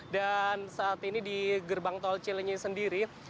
dan saat ini di gerbang tol cilenyi sendiri